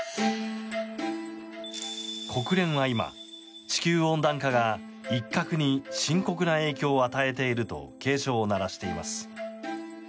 国連は今、地球温暖化がイッカクに深刻な影響を与えていると警鐘を鳴らしています。